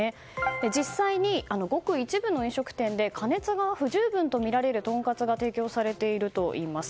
実際に、ごく一部の飲食店では加熱が不十分とみられるとんかつが提供されているといいます。